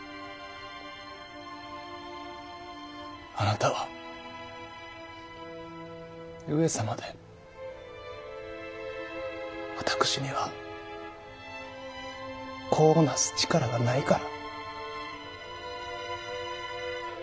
あなたは上様で私には子をなす力がないから。